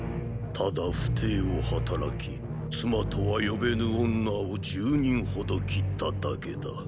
ただ不貞を働き妻とは呼べぬ女を十人ほど斬っただけだ。